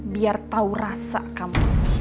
biar tau rasa kamu